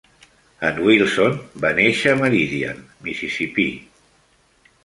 En Wilson va néixer a Meridian, Mississippi.